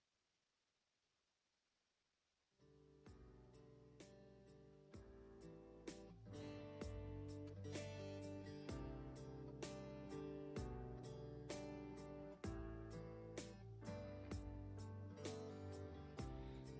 โปรดติดตามต่อไป